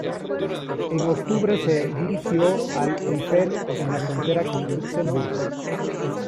En octubre se dirigió al Eifel, en la frontera con Luxemburgo.